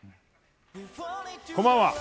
こんばんは。